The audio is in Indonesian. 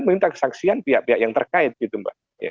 minta kesaksian pihak pihak yang terkait gitu mbak